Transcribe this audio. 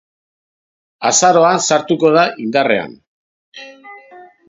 Azaroan sartuko da indarrean.